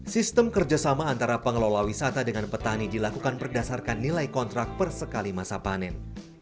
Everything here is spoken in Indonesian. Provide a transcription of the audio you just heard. sistem kerjasama antara pengelola wisata dengan petani dilakukan berdasarkan nilai kontrak per sekali masa panen